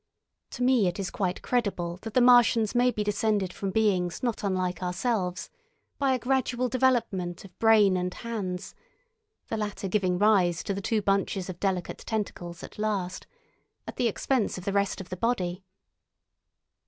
To me it is quite credible that the Martians may be descended from beings not unlike ourselves, by a gradual development of brain and hands (the latter giving rise to the two bunches of delicate tentacles at last) at the expense of the rest of the body.